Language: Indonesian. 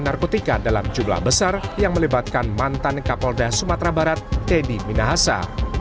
narkotika dalam jumlah besar yang melibatkan mantan kapolda sumatera barat teddy minahasa